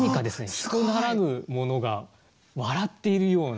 人ならぬものが笑っているような。